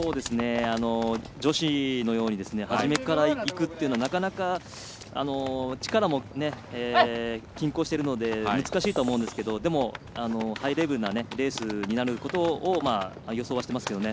女子のように初めからいくっていうのはなかなか、力も均衡しているので難しいとは思うんですけどでも、ハイレベルなレースになることを予想はしてますけどね。